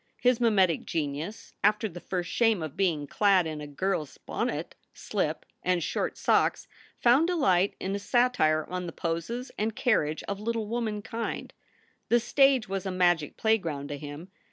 His mimetic genius, after the first shame of being clad in a girl s bonnet, slip, and short socks, found delight in a satire on the poses and carriage of little womankind. The stage was a magic playground to him.